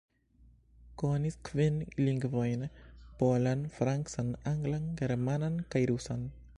Konis kvin lingvojn: polan, francan, anglan, germanan kaj rusan.